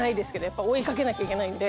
やっぱ追い掛けなきゃいけない。